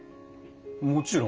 もちろん。